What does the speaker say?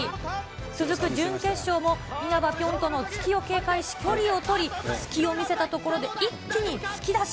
続く準決勝も、因幡ぴょん兎の突きを警戒し、距離を取り、隙を見せたところで一気に突き出し。